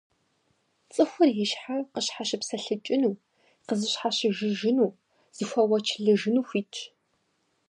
ЦӀыхур и щхьэ къыщхьэщыпсэлъыкӀыну, къызыщхьэщыжыжыну, зыхуэуэчылыжыну хуитщ.